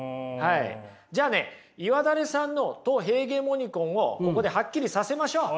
じゃあね岩垂さんのト・ヘーゲモニコンをここではっきりさせましょう。